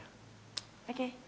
oke sebentar ya